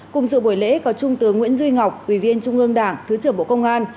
cùng dự buổi lễ có trung tướng nguyễn duy ngọc ủy viên trung ương đảng thứ trưởng bộ công an